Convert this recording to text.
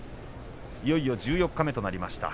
いよいよ十四日目となりました。